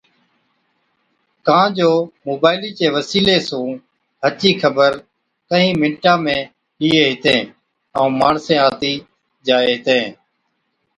ڪان جو موبائِيلِي چي وسِيلي سُون ھچ ئِي خبر ڪھِين مِنٽا ۾ ڏِيئَين ھِتين ائُون ماڻسين آتِي جائي ھِتين